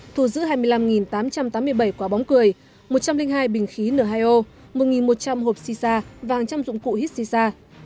thuộc giữ hai mươi năm tám trăm tám mươi bảy quả bóng cười một trăm linh hai bình khí n hai o một một trăm linh hộp xì xa và hàng trăm dụng cụ hít xì xa